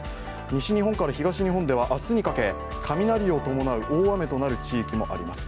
西日本から東日本では明日にかけ雷を伴う大雨となる地域もあります。